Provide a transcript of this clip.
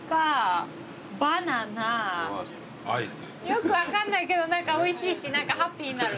よく分かんないけどおいしいしハッピーになる。